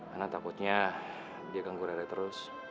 karena takutnya dia ganggu rere terus